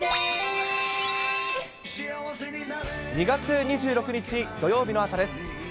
２月２６日土曜日の朝です。